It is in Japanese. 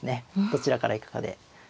どちらから行くかで。